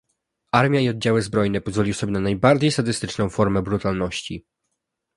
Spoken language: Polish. Armia i oddziały zbrojne pozwoliły sobie na najbardziej sadystyczną formę brutalności